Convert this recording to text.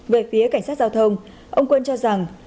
về phía cảnh sát giao thông ông quân cho rằng